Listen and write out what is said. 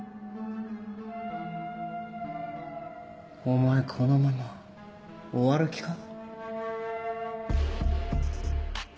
お前このまま終わる気か？